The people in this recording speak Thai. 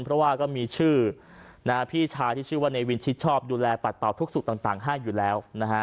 เพราะว่าก็มีชื่อพี่ชายที่ชื่อว่าในวินชิดชอบดูแลปัดเป่าทุกสุขต่างให้อยู่แล้วนะฮะ